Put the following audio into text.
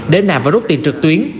để nạp và rút tiền trực tuyến